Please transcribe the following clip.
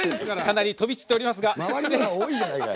かなり飛び散っておりますが。